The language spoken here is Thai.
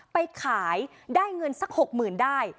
ไปขายได้เงินสัก๖๐๐๐ได้